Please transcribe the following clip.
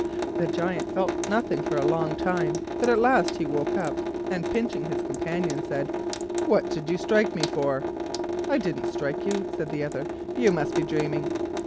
The Giant felt nothing for a long time, but at last he woke up, and pinching his companion said: "What did you strike me for?" "I didn't strike you," said the other; "you must be dreaming."